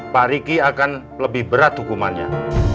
pak riki akan lebih berat hukumannya